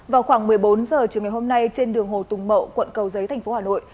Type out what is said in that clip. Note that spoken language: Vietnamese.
vào khoảng một mươi bốn h chiều ngày hôm nay trên đường hồ tùng mậu quận cầu giấy thành phố hà nội